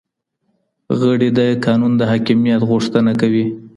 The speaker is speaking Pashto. غړي د قانون د حاکميت غوښتنه کوي.